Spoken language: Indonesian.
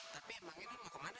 tapi emangnya nun mau ke mana